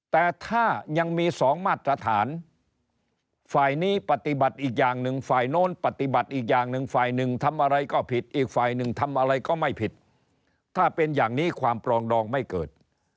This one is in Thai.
แต่ถ้ายังมีสองมาตรฐานฝ่ายนี้ปฏิบัติอีกอย่างหนึ่งฝ่ายโน้นปฏิบัติอีกอย่างหนึ่งฝ่ายหนึ่งทำอะไรก็ผิดอีกฝ่ายหนึ่งทำอะไรก็ไม่ผิดถ้าเป็นอย่างนี้ความปรองดองไม่เกิด